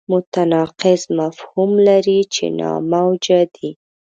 متناقض مفهوم لري چې ناموجه دی.